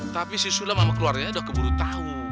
tapi si sulam sama keluarganya udah keburu tau